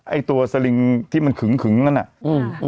ไอตัวที่มันขึ้นขึ้นนั่นอ่ะอือ